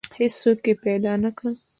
هیڅوک یې پیدا نه کړ.